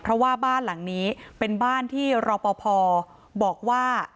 เพราะว่าบ้านหลังนี้เป็นบ้านที่รอปภบอกว่า